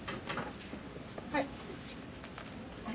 はい。